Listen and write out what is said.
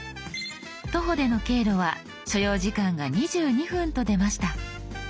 「徒歩」での経路は所要時間が２２分と出ました。